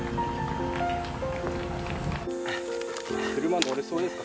車乗れそうですか？